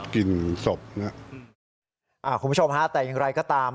คุณผู้ชมครับแต่อย่างไรก็ตาม